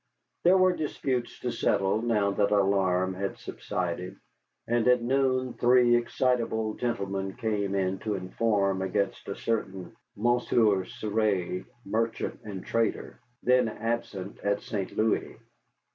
There were disputes to settle now that alarm had subsided, and at noon three excitable gentlemen came in to inform against a certain Monsieur Cerre, merchant and trader, then absent at St. Louis.